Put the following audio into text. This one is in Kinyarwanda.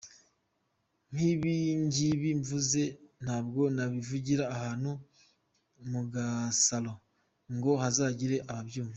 Nk’ibingibi mvuze ntabwo nabivugira ahantu mugasalon ngo hazagire ababyumva.